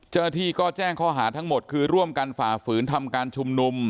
เจ้าหน้าที่ก็แจ้งข้อหาทั้งหมดคือร่วมกันฝ่าฝืนทำการชุมนุม